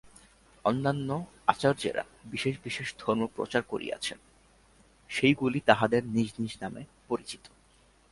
অন্যান্য আচার্যেরা বিশেষ বিশেষ ধর্ম প্রচার করিয়াছেন, সেইগুলি তাঁহাদের নিজ নিজ নামে পরিচিত।